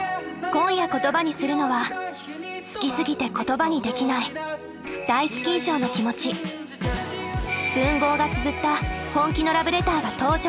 今夜言葉にするのは好きすぎて言葉にできない文豪がつづった本気のラブレターが登場。